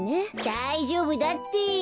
だいじょうぶだって！